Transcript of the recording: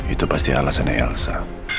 itu pasti alasannya elsa